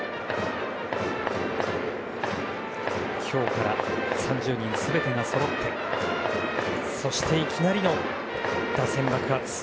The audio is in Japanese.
今日から３０人全てがそろってそして、いきなりの打線爆発。